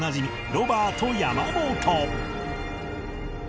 ロバート山本